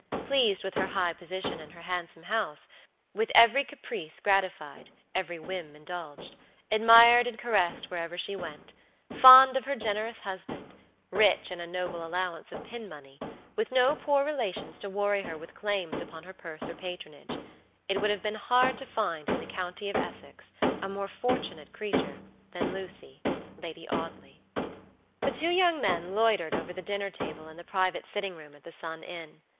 Pleased with her high position and her handsome house; with every caprice gratified, every whim indulged; admired and caressed wherever she went; fond of her generous husband; rich in a noble allowance of pin money; with no poor relations to worry her with claims upon her purse or patronage; it would have been hard to find in the County of Essex a more fortunate creature than Lucy, Lady Audley. The two young men loitered over the dinner table in the private sitting room at the Sun Inn.